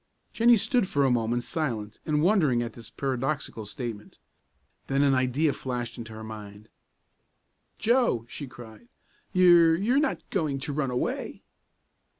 Jennie stood for a moment silent and wondering at this paradoxical statement. Then an idea flashed into her mind. "Joe!" she cried, "you you're not going to run away?"